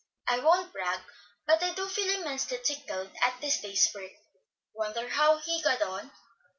"I won't brag, but I do feel immensely tickled at this day's work. Wonder how he got on.